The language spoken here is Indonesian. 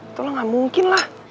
itulah nggak mungkin lah